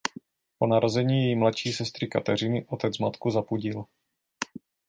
Po narození její mladší sestry Kateřiny otec matku zapudil.